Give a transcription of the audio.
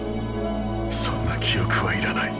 そんな記憶はいらない。